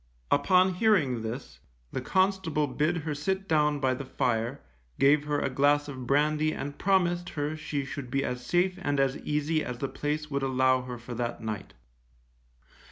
Upon hearing this, the constable bid her sit down by the fire, gave her a glass of brandy and promised her she should be as safe and as easy as the place would allow her for that night.